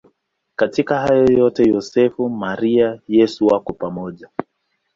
Katika hayo yote Yosefu, Maria na Yesu wako pamoja.